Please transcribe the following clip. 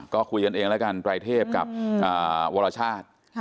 ก็คุยกันเองแล้วกันไตรเทพกับวรชาติ